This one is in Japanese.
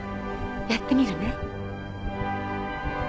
やってみるね。